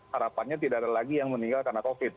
harapannya tidak ada lagi yang meninggal karena covid